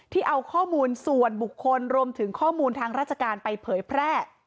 ที่เอาข้อมูลส่วนบุคคลรวมถึงข้อมูลทางราชการไปเผยแพร่